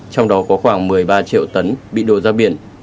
trong đó có khoảng một mươi ba triệu tấn bị đổ ra biển